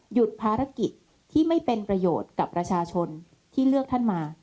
หยุดภารกิจที่ไม่เป็นประโยชน์กับประชาชนที่เลือกท่านมา